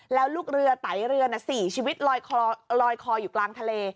แล้วลูกเรือไตเรือ๔ชีวิตลอยคออยู่กลางทะเล